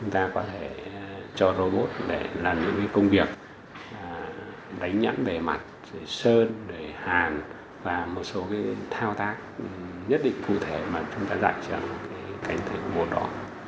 chúng ta có thể cho robot để làm những công việc đánh nhẫn về mặt sơn hàn và một số thao tác nhất định cụ thể mà chúng ta dạy cho cánh tay robot đó